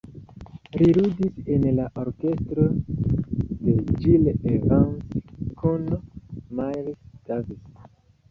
Li ludis en la orkestro de Gil Evans kun Miles Davis.